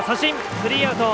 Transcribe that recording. スリーアウト！